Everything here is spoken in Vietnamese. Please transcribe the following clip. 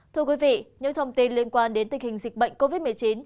thưa quý vị những thông tin liên quan đến tình hình dịch bệnh covid một mươi chín